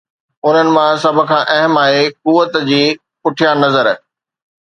انهن مان سڀ کان اهم آهي قوت جي پٺيان نظر.